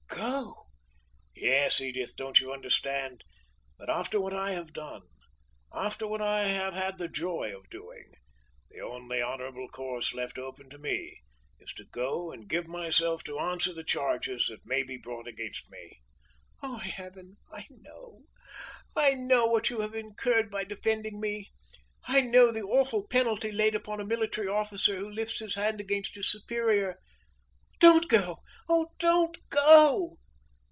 "Go?" "Yes, Edith don't you understand, that after what I have done after what I have had the joy of doing the only honorable course left open to me, is to go and give myself up to answer the charges that may be brought against me?" "Oh, heaven! I know! I know what you have incurred by defending me! I know the awful penalty laid upon a military officer who lifts his hand against his superior. Don't go! oh, don't go!"